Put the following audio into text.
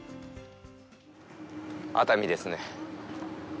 熱海ですね。